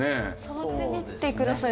触ってみてください。